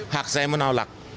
hak saya menolak